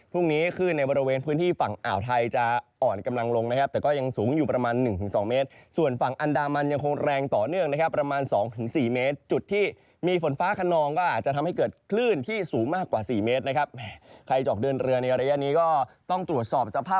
คลื่นในบริเวณพื้นที่ฝั่งอ่าวไทยจะอ่อนกำลังลงนะครับแต่ก็ยังสูงอยู่ประมาณหนึ่งถึงสองเมตรส่วนฝั่งอันดามันยังคงแรงต่อเนื่องนะครับประมาณสองถึงสี่เมตรจุดที่มีฝนฟ้าขนองก็อาจจะทำให้เกิดคลื่นที่สูงมากกว่าสี่เมตรนะครับใครจะออกเดินเรือในระยะนี้ก็ต้องตรวจสอบสภาพ